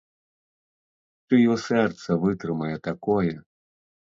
Чыё сэрца вытрымае такое?